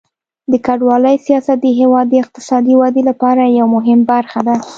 د کډوالۍ سیاست د هیواد د اقتصادي ودې لپاره یوه مهمه برخه ده.